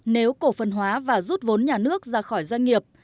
nếu cổ phần hóa và rút vốn nhà nước ra khỏi doanh nghiệp